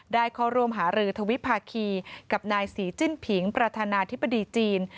ได้เข้าร่วมหารือทวิภาคีกับนายศรีจิ้นผิงประธานาธิบดีจีน